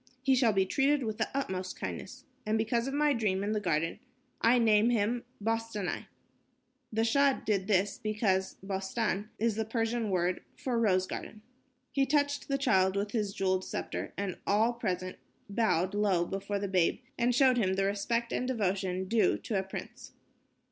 He shall be treated with the utmost kindness. And because of my dream in the garden, I name him Bostanai." The Shah did this because "bostan" is the Persian word for rose garden. He touched the child with his jeweled scepter and all present bowed low before the babe and showed him the respect and devotion due to a prince.